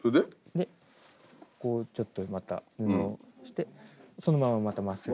でここをちょっとまた布を押してそのまままたまっすぐ。